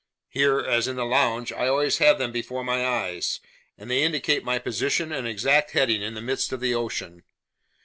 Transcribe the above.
Here, as in the lounge, I always have them before my eyes, and they indicate my position and exact heading in the midst of the ocean.